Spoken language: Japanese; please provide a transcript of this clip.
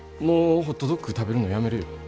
もうホットドッグ食べるのやめるよ。